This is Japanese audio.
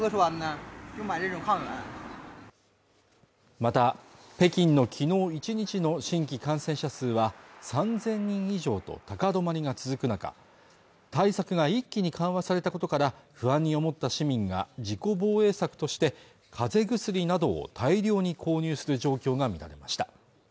また北京の昨日一日の新規感染者数は３０００人以上と高止まりが続く中対策が一気に緩和されたことから不安に思った市民が自己防衛策として風邪薬などを大量に購入する状況が見られました